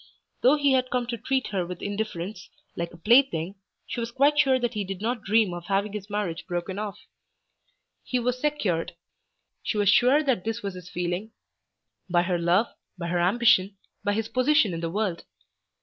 Though he had come to treat her with indifference, like a plaything, she was quite sure that he did not dream of having his marriage broken off. He was secured, she was sure that this was his feeling, by her love, by her ambition, by his position in the world.